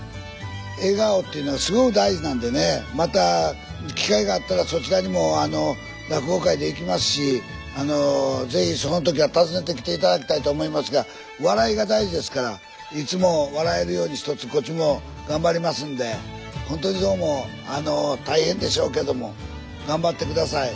笑顔っていうのはすごく大事なんでねまた機会があったらそちらにも落語会で行きますし是非その時は訪ねてきて頂きたいと思いますが笑いが大事ですからいつも笑えるようにひとつこっちも頑張りますんでほんとにどうも大変でしょうけども頑張って下さい。